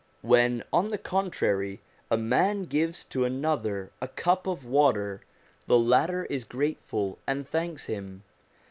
When, on the contrary, a man gives to another a cup of water, the latter is grateful and thanks him.